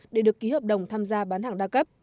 để được ký hợp đồng tham gia bán hàng đa cấp